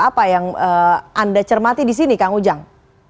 apa yang anda cermati di sini kang ujang